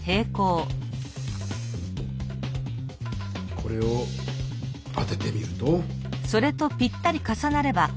これを当ててみると。